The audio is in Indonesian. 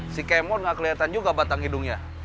si kemon gak keliatan juga batang hidungnya